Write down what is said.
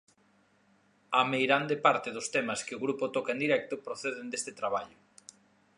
A meirande parte dos temas que o grupo toca en directo proceden deste traballo.